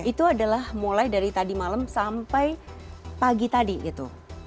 itu adalah mulai dari tadi malam sampai pagi tadi gitu